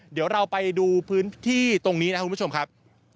เดี๋ยวเราไปดูพื้นที่ตรงนี้นะครับคุณผู้ชมครับ